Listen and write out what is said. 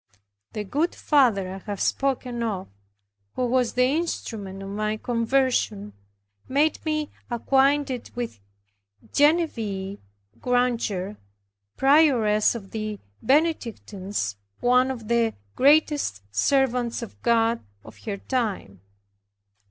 The good father I have spoken of, who was the instrument of my conversion, made me acquainted with Genevieve Granger, prioress of the Benedictines, one of the greatest servants of God of her time.